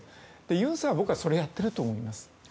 尹さんは僕はそれをやってると思います。